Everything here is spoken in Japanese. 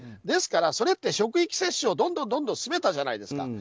ですからそれで職域接種をどんどん進めたじゃないですか。